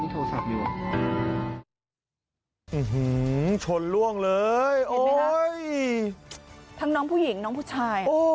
ทางน้องผู้หญิงน้องผู้ชาย